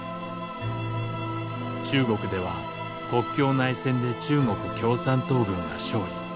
中国では国共内戦で中国共産党軍が勝利。